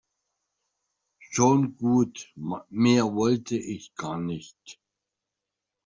Schon gut, mehr wollte ich gar nicht.